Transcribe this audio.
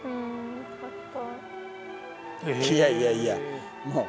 いやいやいやもう。